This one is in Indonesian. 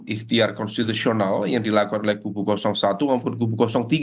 ikhtiar konstitusional yang dilakukan oleh kubu satu maupun kubu tiga